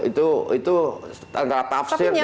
itu antara tafsir dan data